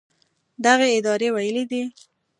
دغې ادارې ویلي دي